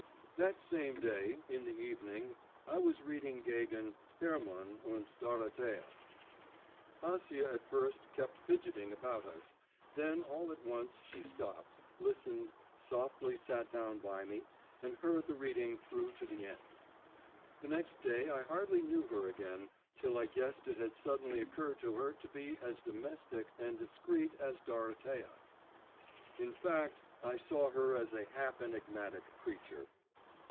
That same day, in the evening, I was reading Gagin Hermann und Dorothea. Acia at first kept fidgeting about us, then all at once she stopped, listened, softly sat down by me, and heard the reading through to the end. The next day I hardly knew her again, till I guessed it had suddenly occurred to her to be as domestic and discreet as Dorothea. In fact I saw her as a half enigmatic creature.